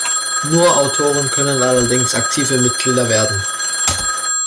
Nur Autoren können allerdings aktive Mitglieder werden.